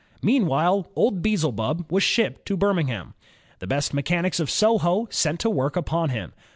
Meanwhile, old Beelzebub was shipped to Birmingham. The best mechanics of Soho set to work upon him.